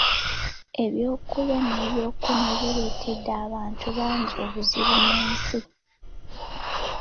Ebyokulya n’ebyokunywa bireetedde abantu bangi obuzibu mu nsi.